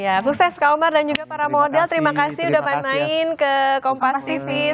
ya sukses kak omar dan juga para model terima kasih udah main main ke kompas tv